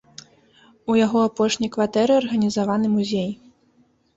У яго апошняй кватэры арганізаваны музей.